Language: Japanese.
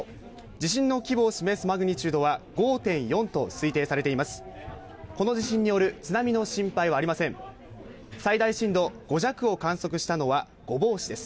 地震の規模を示すマグニチュードは５．４と推定されています。